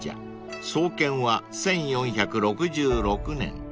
［創建は１４６６年］